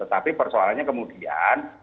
tapi persoalannya kemudian